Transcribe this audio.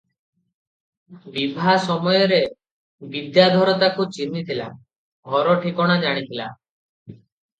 ବିଭା ସମୟରେ ବିଦ୍ୟାଧର ତାକୁ ଚିହ୍ନିଥିଲା, ଘର ଠିକଣା ଜାଣିଥିଲା ।